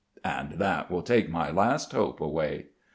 And that will take my last hope away.